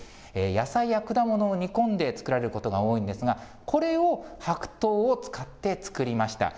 野菜や果物を煮込んで作られることが多いんですが、これを白桃を使って作りました。